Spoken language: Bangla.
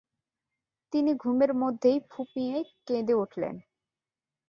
তিনি ঘুমের মধ্যেই ফুঁপিয়ে কোঁদে উঠলেন।